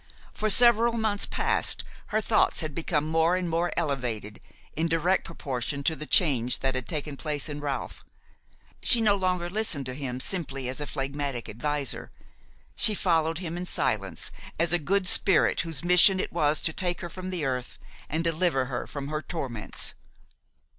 For several months past her thoughts had become more and more elevated in direct proportion to the change that had taken place in Ralph. She no longer listened to him simply as a phlegmatic adviser; she followed him in silence as a good spirit whose mission it was to take her from the earth and deliver her from her torments.